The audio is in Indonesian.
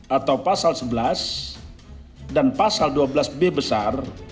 atau pasal sebelas dan pasal dua belas b besar